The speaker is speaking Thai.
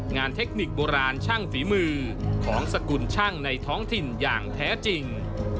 เทคนิคโบราณช่างฝีมือของสกุลช่างในท้องถิ่นอย่างแท้จริง